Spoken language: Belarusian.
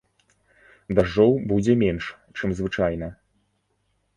Дажджоў будзе менш, чым звычайна.